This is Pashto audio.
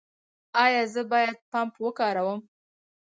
ایا زه باید پمپ وکاروم؟